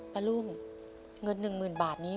ป๊าลุ้งเงิน๑หมื่นบาทนี้